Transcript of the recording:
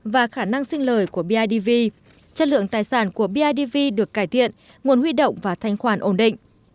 và khả năng sinh lời của bidv chất lượng tài sản của bidv được cải thiện nguồn huy động và thanh khoản ổn định